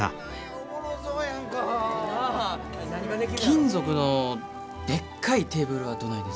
金属のでっかいテーブルはどないです？